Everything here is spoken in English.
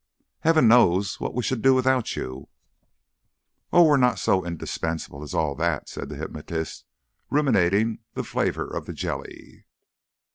"Heaven knows what we should do without you." "Oh! we're not so indispensable as all that," said the hypnotist, ruminating the flavour of the jelly.